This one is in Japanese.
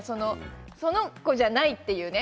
その子じゃないというね。